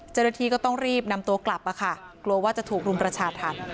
เจ้าหน้าที่ก็ต้องรีบนำตัวกลับมาค่ะกลัวว่าจะถูกรุมประชาธรรม